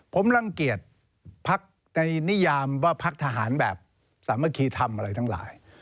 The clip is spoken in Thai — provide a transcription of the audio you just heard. ผมรังเกียจพักในนิยามว่าพักทหารแบบสามัคคีทำอะไรทั้งหลาย